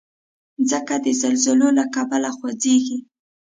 مځکه د زلزلو له کبله خوځېږي.